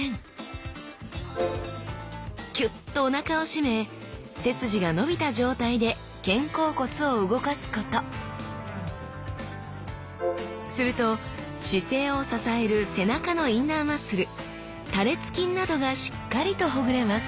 キュッとおなかを締め背筋が伸びた状態で肩甲骨を動かすことすると姿勢を支える背中のインナーマッスル多裂筋などがしっかりとほぐれます